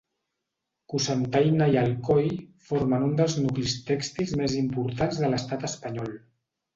Cocentaina i Alcoi formen un dels nuclis tèxtils més importants de l'estat espanyol.